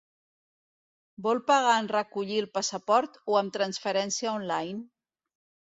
Vol pagar en recollir el passaport o amb transferència online?